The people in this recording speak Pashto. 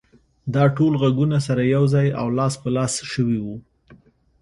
دا ټول غږونه سره يو ځای او لاس په لاس شوي وو.